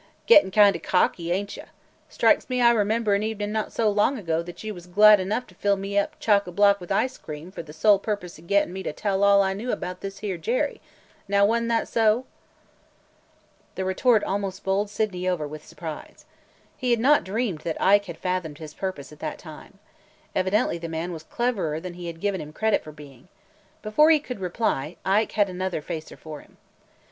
"Gettin' kind o' cocky, ain't you! Strikes me I remember an evenin' not so long ago that you was glad enough to fill me up chock a block with ice cream for the sole purpose o' gettin' me to tell all I knew about this here Jerry, now wa 'n't that so?" The retort almost bowled Sydney over with surprise. He had not dreamed that Ike had fathomed his purpose at that time. Evidently the man was cleverer than he had given him credit for being. Before he could reply, Ike had another "facer" for him.